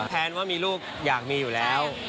แทนว่ามีลูกอยากมีอยู่แล้ว